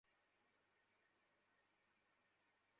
আমার মাথায় কেন এলো না?